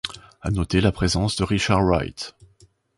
À noter la présence de Richard Wright.